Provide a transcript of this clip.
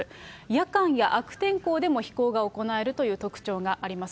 夜間や悪天候でも飛行が行えるという特徴があります。